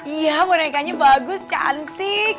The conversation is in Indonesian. iya bonekanya bagus cantik